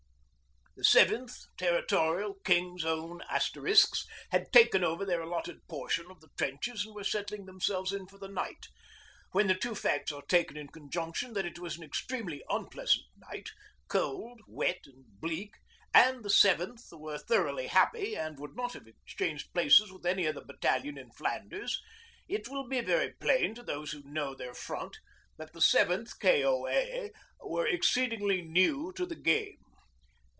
The 7th (Territorial) King's Own Asterisks had 'taken over' their allotted portion of the trenches and were settling themselves in for the night. When the two facts are taken in conjunction that it was an extremely unpleasant night, cold, wet and bleak, and the 7th were thoroughly happy and would not have exchanged places with any other battalion in Flanders, it will be very plain to those who know their Front that the 7th K.O.A. were exceedingly new to the game.